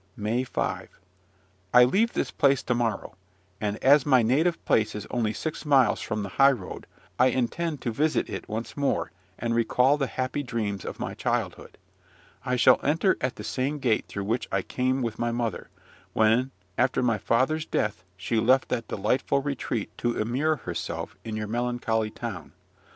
MAY 5. I leave this place to morrow; and, as my native place is only six miles from the high road, I intend to visit it once more, and recall the happy dreams of my childhood. I shall enter at the same gate through which I came with my mother, when, after my father's death, she left that delightful retreat to immure herself in your melancholy town.